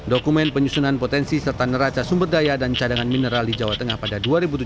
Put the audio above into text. dokumen penyusunan potensi serta neraca sumber daya dan cadangan mineral di jawa tengah pada dua ribu tujuh belas